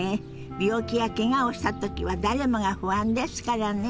病気やけがをした時は誰もが不安ですからね。